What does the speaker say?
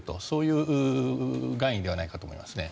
そういうことではないかと思います。